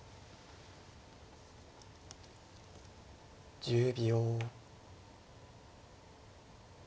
１０秒。